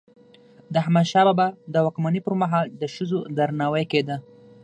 د احمدشاه بابا د واکمني پر مهال د ښځو درناوی کيده.